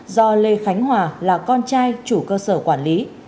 do lê khánh hòa là con trai chủ cơ sở quản lý